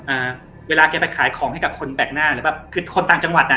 อ่าเวลาแกไปขายของให้กับคนแปลกหน้าหรือแบบคือคนต่างจังหวัดอ่ะ